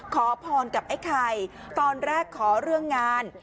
ขอพรกับไอ้ไข่ตอนแรกขอเรื่องงาน